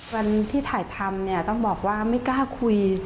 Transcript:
วันที่ถ่ายทำเนี่ยต้องบอกว่าไม่กล้าคุย